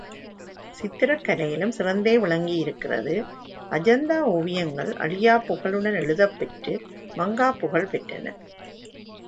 சித்திரக் கலையிலும் சிறந்தே விளங்கியிருக்கிறது, அஜந்தா ஓவியங்கள் அழியா அழகுடன் எழுதப் பெற்று மங்காப் புகழ் பெற்றன.